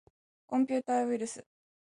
コンピューターウイルス